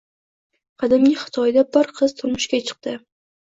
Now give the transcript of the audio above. Qadimgi Xitoyda bir qiz turmushga chiqdi